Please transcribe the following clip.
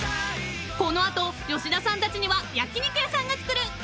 ［この後吉田さんたちには焼き肉屋さんが作る］